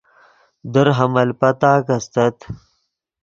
در حمل پتاک استت